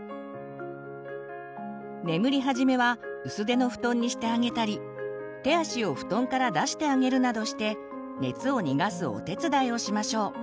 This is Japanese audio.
眠りはじめは薄手の布団にしてあげたり手足を布団から出してあげるなどして熱を逃がすお手伝いをしましょう。